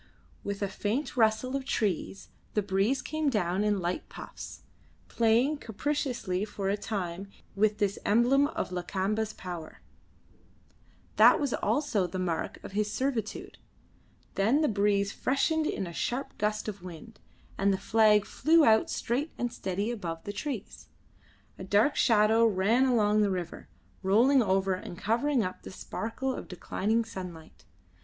With a faint rustle of trees the breeze came down in light puffs, playing capriciously for a time with this emblem of Lakamba's power, that was also the mark of his servitude; then the breeze freshened in a sharp gust of wind, and the flag flew out straight and steady above the trees. A dark shadow ran along the river, rolling over and covering up the sparkle of declining sunlight.